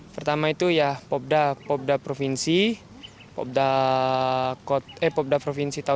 pertama itu ya pobda provinsi pobda kota eh pobda provinsi tahun dua ribu dua puluh satu